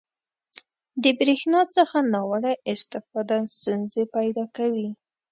• د برېښنا څخه ناوړه استفاده ستونزې پیدا کوي.